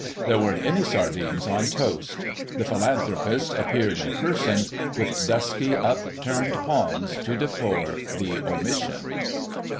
There weren't any sardines on toast. The Philanthropist appeared in person, with dusky, upturned palms, to deplore the omission.